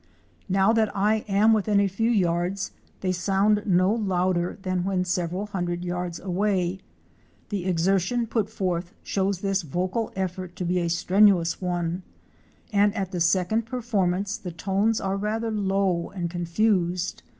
Now that I am within a few yards, they sound no louder than when sev eral hundred yards away. The exertion put forth shows this vocal effort to be a strenuous one, and at the second perform ance the tones are rather low and confused.